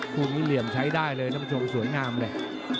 พูดวิเหลี่ยมใช้ได้เลยนะผู้ชมสวยงามเลย